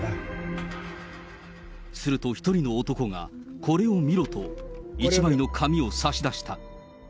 すると１人の男が、これを見ろと、１枚の紙を差し出した。